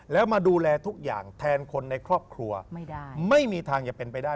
แล้วมาดูแลทุกอย่างแทนคนในครอบครัวไม่ได้ไม่มีทางจะเป็นไปได้